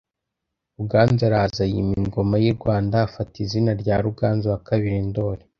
ruganzu araza yima ingoma y’i Rwanda afata izina rya Ruganzu II Ndoli